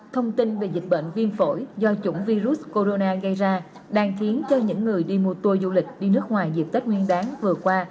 thông tin về dịch bệnh viêm phổi do chủng virus corona gây ra đang khiến cho những người đi mua tour du lịch đi nước ngoài dịp tết nguyên đáng vừa qua